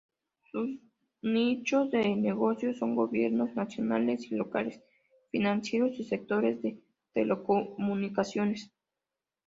Sus nichos de negocio son gobiernos nacionales y locales, financieros y sectores de telecomunicaciones.